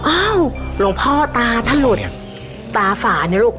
อ้าวหลวงพ่อตาท่านหลุดอ่ะตาฝาเนี่ยลูก